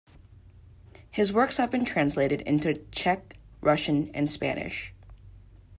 His works have been translated into Czech, Russian and Spanish.